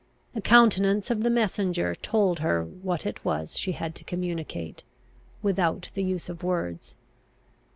The countenance of the messenger told her what it was she had to communicate, without the use of words.